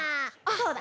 そうだ。